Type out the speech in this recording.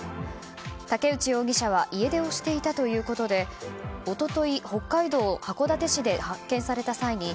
竹内容疑者は家出をしていたということで一昨日北海道函館市で発見された際に